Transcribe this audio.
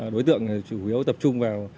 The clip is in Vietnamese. đối tượng chủ yếu tập trung vào